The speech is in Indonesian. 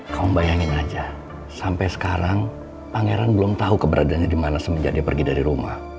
kamu bayangin aja sampai sekarang pangeran belum tahu keberadaannya di mana semenjak dia pergi dari rumah